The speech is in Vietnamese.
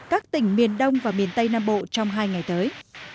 các tỉnh biển đông và biển tây nam bộ trong hai ngày tới